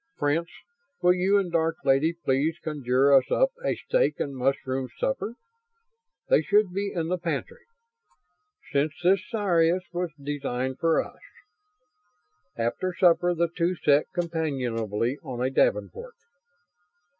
"Prince, will you and Dark Lady please conjure us up a steak and mushrooms supper? They should be in the pantry ... since this Sirius was designed for us." After supper the two sat companionably on a davenport.